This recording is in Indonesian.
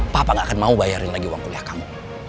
papa gak akan mau bayarin lagi uang kuliah kamu